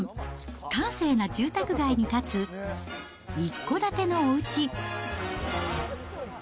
閑静な住宅街に建つ一戸建てのおうち。